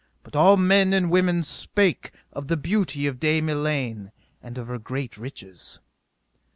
But all men and women spake of the beauty of Dame Elaine, and of her great riches.